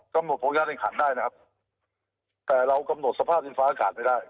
กำหนดโภคย่าในขันได้นะครับแต่เรากำหนดสภาพดินฟ้าอากาศไม่ได้